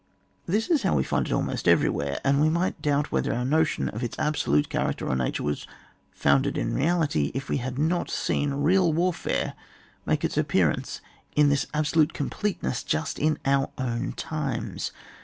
This is how we find it almost every where, and we might doubt whether our notion of its absolute character or nature was founded in reality, if we had not seen real warfare make its appearence in this absolute completeness just in our own times.